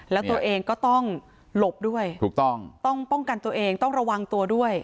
แล้วตัวเองก็ต้องหลบด้วยถูกต้องต้องป้องกันตัวเองต้องระวังตัวด้วย